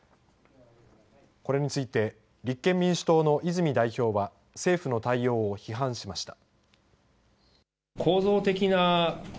これについて立憲民主党の泉代表は政府の対応を批判しました。